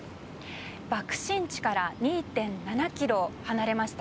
爆心地から２．７キロ離れました